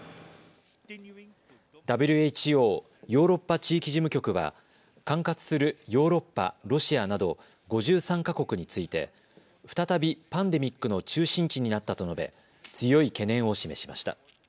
ＷＨＯヨーロッパ地域事務局は管轄するヨーロッパ、ロシアなど５３か国について再びパンデミックの中心地になったと述べ強い懸念を示しました。